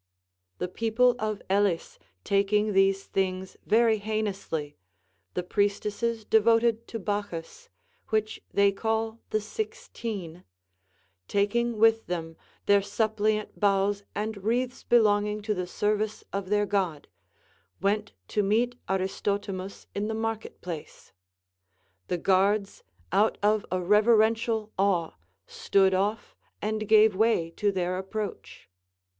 The people of Elis taking these things very heinously, the priestesses devoted to Bacchus (which they call the Sixteen), taking with them their suppliant boughs and wreaths belonging to the service of their God, went to meet Aristotimus in the market place ; the guards, out of a reverential awe, stood off and gave \vay to their approach.